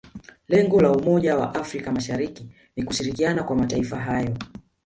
lengo la umoja wa afrika mashariki ni kushirikiana kwa mataifa hayo